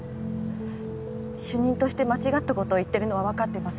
主任として間違ったことを言ってるのは分かってます